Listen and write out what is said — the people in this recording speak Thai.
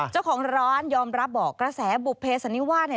เจ้าของร้านยอมรับบอกกระแสบุเภสันนิวาสเนี่ย